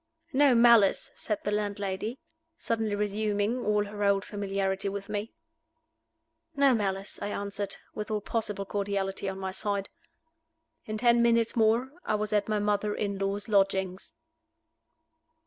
"No malice," said the landlady, suddenly resuming all her old familiarity with me. "No malice," I answered, with all possible cordiality on my side. In ten minutes more I was at my mother in law's lodgings.